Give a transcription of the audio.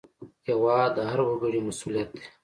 هېواد د هر وګړي مسوولیت دی.